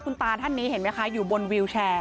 คุณตาท่านนี้เห็นไหมคะอยู่บนวิวแชร์